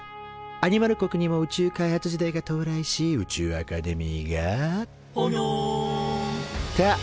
アニマル国にも宇宙開発時代が到来し宇宙アカデミーが「ぽにょん」と誕生。